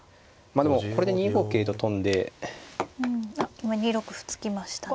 今２六歩突きましたね。